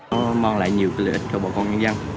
tôi mang lại nhiều lợi ích cho bộ công nhân dân